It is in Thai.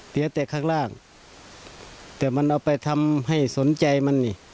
เสียแต่ข้างล่างแต่มันเอาไปทำให้สนใจมันนี่